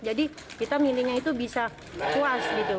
jadi kita milihnya itu bisa kuas gitu